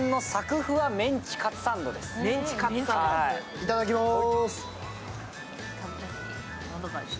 いただきます。